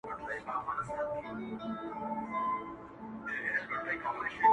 يو نه شل ځلي په دام كي يم لوېدلى!!